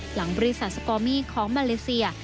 หลังบริษัทสกอร์มี่ของมาเลเซีย